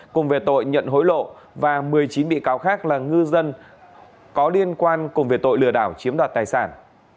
cùng về tội nhận hối lộ và một mươi chín bị cáo khác là ngư dân có liên quan cùng về tội lừa đảo chiếm đoạt tài sản